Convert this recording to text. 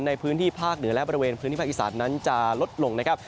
ในพื้นที่ภาคเหนือและบริเวณพื้นที่ภาคอีสานนั้นจะลดลงนะครับ